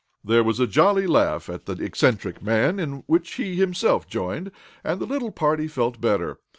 There was a jolly laugh at the eccentric man, in which he himself joined, and the little party felt better.